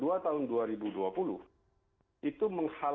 itu menghalalkan sebagian dari kebanyakan perusahaan yang berada di dalam perusahaan